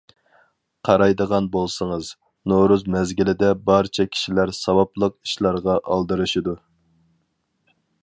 قارايدىغان بولسىڭىز، نورۇز مەزگىلىدە بارچە كىشىلەر ساۋابلىق ئىشلارغا ئالدىرىشىدۇ.